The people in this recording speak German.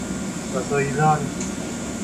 Was soll ich sagen?